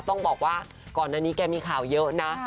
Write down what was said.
ต้องบอกว่าก่อนอันนี้แกมีข่าวเยอะนะ